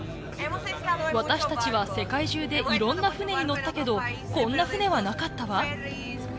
私たちは世界中でいろんな船に乗ったけど、こんな船はなかったわ。